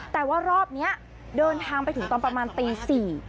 แต่ว่ารอบนี้เดินทางไปถึงตอนประมาณตี๔